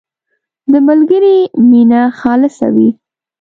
• د ملګري مینه خالصه وي.